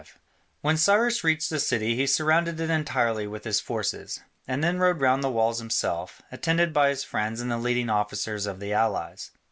5] When Cyrus reached the city he surrounded it entirely with his forces, and then rode round the walls himself, attended by his friends and the leading officers of the allies.